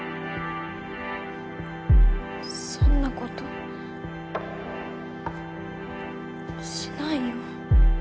そんなことしないよ。